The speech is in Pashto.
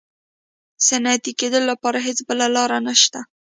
د صنعتي کېدو لپاره هېڅ بله لار نشته.